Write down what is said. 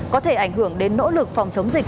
có thể ảnh hưởng đến nỗ lực phòng chống dịch